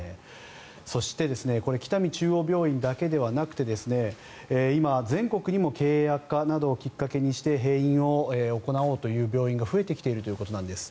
そして、これ北見中央病院だけではなくて今、全国にも経営悪化などをきっかけにして閉院を行おうという病院が増えてきているということです。